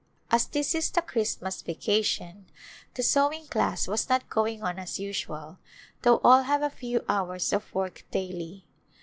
As this is the Christmas vacation the sewing class was not going on as usual though all have a few hours of work daily.